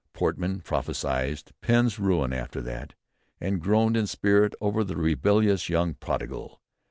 Portman prophesied Pen's ruin after that, and groaned in spirit over the rebellious young prodigal."